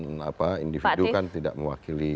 individu kan tidak mewakili